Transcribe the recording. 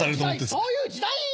そういう時代。